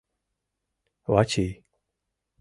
Вачий.